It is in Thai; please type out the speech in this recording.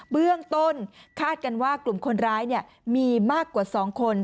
เบื้องต้นคาดกันว่ากลุ่มคนร้ายมีมากกว่า๒คน